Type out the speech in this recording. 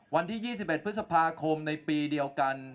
วันที่๒๑พฤษภาคมในปีเดียวกัน